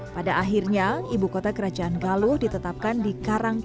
pada akhirnya ibu kota kerajaan galuh ditetapkan di kota kerajaan galuh